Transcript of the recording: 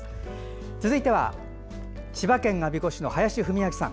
続いては千葉県我孫子市の林文昭さん。